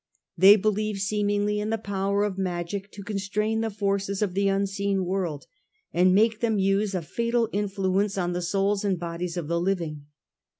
They believe seemingly in the power of magic to con strain the forces of the unseen world, and make them use a fatal influence on the souls and bodies of the living.